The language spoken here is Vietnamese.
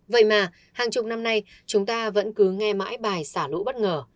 vậy mà hàng chục năm nay chúng ta vẫn cứ nghe mãi bài xả lũ bất ngờ